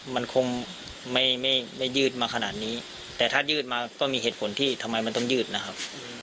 มันคงไม่ได้ยืดมาขนาดนี้แต่ถ้ายืดมาก็มีเหตุผลที่ทำไมมันต้องยืดนะครับ